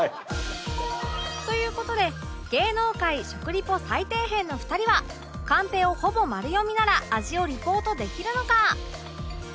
という事で芸能界食リポ最底辺の２人はカンペをほぼ丸読みなら味をリポートできるのか？